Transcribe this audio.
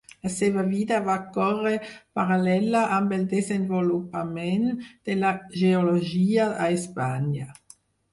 La seva vida va córrer paral·lela amb el desenvolupament de la geologia a Espanya.